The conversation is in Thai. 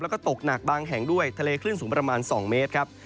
แล้วก็ตกหนักบางแห่งด้วยทะเลคลื่นสูงประมาณ๒เมตรครับ